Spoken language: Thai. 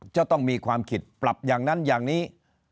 จะต้องมีความผิดปรับอย่างนั้นอย่างนี้